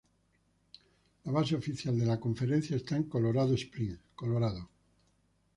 La base oficial de la conferencia está en Colorado Springs, Colorado.